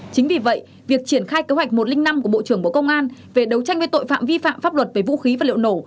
chính vì vậy việc triển khai kế hoạch một trăm linh năm của bộ trưởng bộ công an về đấu tranh với tội phạm vi phạm pháp luật về vũ khí vật liệu nổ